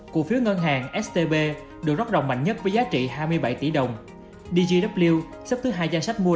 cổ phiếu ngân hàng stb được rót rồng mạnh nhất với giá trị hai mươi bảy tỷ đồng dgw xếp thứ hai danh sách mua